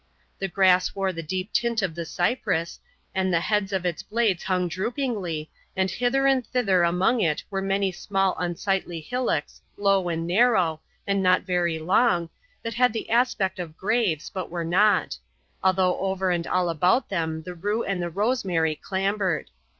The grass wore the deep tint of the cypress, and the heads of its blades hung droopingly, and hither and thither among it were many small unsightly hillocks, low and narrow, and not very long, that had the aspect of graves, but were not; although over and all about them the rue and the rosemary clambered.